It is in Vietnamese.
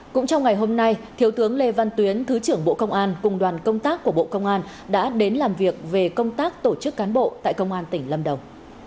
cũng trong ngày hôm nay thiếu tướng lê văn tuyến thứ trưởng bộ công an cùng đoàn công tác của bộ công an đã đến làm việc về công tác tổ chức cán bộ tại công an tỉnh lâm đồng